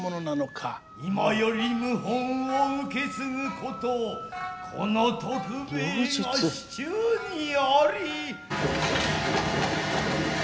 今より謀反を受け継ぐことこの徳兵衛が手中にあり。